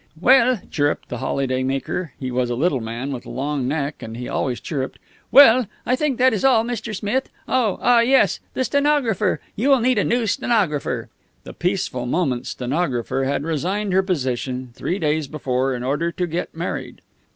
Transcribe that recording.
"Well," chirruped the holiday maker he was a little man with a long neck, and he always chirruped "Well, I think that is all, Mr. Smith. Oh, ah, yes! The stenographer. You will need a new stenographer." The Peaceful Moments stenographer had resigned her position three days before, in order to get married.